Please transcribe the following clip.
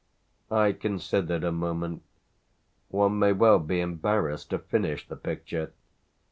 I considered a moment. "One may well be embarrassed to finish the picture!